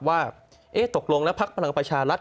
ว่าตกลงแล้วพักพลังประชารัฐ